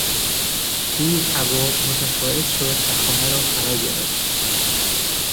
بوی کباب متصاعد شد و خانه را فراگرفت.